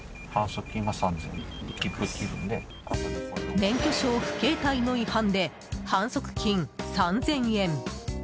免許証不携帯の違反で反則金３０００円。